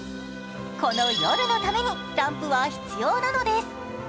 この夜のためにランプは必要なのです。